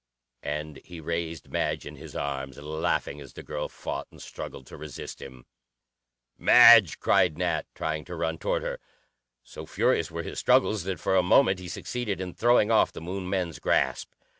And he raised Madge in his arms, laughing as the girl fought and struggled to resist him. "Madge!" cried Nat, trying to run toward her. So furious were his struggles that for a moment he succeeded in throwing off the Moon men's grasp.